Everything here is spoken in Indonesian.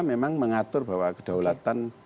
memang mengatur bahwa kedaulatan